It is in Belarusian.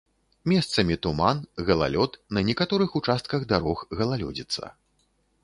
Месцамі туман, галалёд, на некаторых участках дарог галалёдзіца.